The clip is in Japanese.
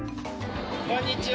こんにちは！